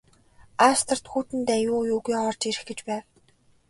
Австрид Хүйтэн дайн юу юугүй орж ирэх гэж байв.